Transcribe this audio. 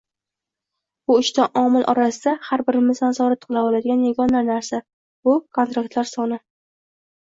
Bu uchta omil orasida har birimiz nazorat qila oladigan yagona narsa - bu kontaktlar soni